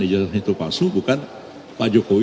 izin itu palsu bukan pak jokowi